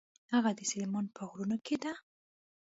هغه د سلیمان په غرونو کې ده.